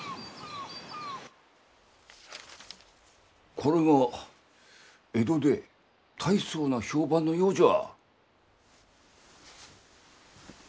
これが江戸でたいそうな評判のようじゃ。